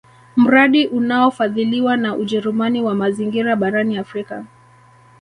Mradi unaofadhiliwa na Ujerumani wa mazingira barani Afrika